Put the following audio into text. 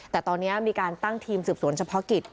แต่ตอนนี้มีการตั้งทีมสืบสวนเฉพาะกิจ